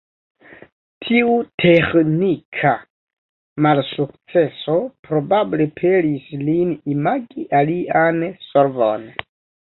Tiu teĥnika malsukceso probable pelis lin imagi alian solvon.